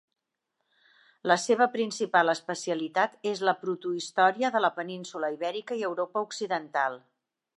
La seva principal especialitat és la protohistòria de la península Ibèrica i Europa Occidental.